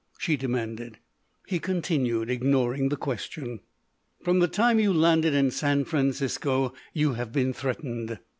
she demanded. He continued, ignoring the question: "From the time you landed in San Francisco you have been threatened.